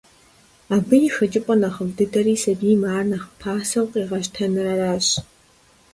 Абы и хэкӏыпӏэ нэхъыфӏ дыдэри сабийм ар нэхъ пасэу къегъэщтэнращ.